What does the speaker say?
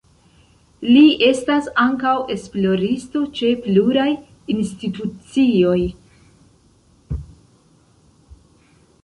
Li estas ankaŭ esploristo ĉe pluraj institucioj.